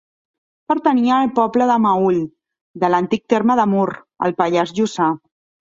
Pertanyia al poble del Meüll, de l'antic terme de Mur, al Pallars Jussà.